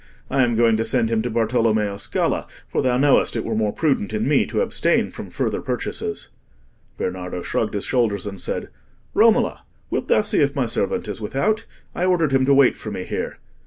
I am going to send him to Bartolommeo Scala, for thou knowest it were more prudent in me to abstain from further purchases." Bernardo shrugged his shoulders and said, "Romola, wilt thou see if my servant is without? I ordered him to wait for me here."